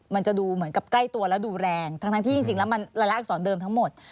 มันจะดูเหมือนกับใกล้ตัวแล้วดูแรงทั้งที่จริงแล้วมันรายละอักษรเดิมทั้งหมด